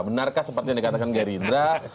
benarkah seperti yang dikatakan gerindra